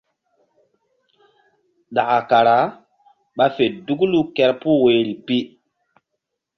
Ɗaka kara ɓa fe duklu kerpuh woyri pi.